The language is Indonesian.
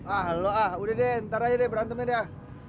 ah lo ah udah deh ntar aja deh berantemnya deh